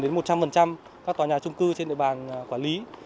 đến một trăm linh các tòa nhà trung cư trên địa bàn quản lý